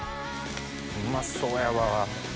うまそうやわ。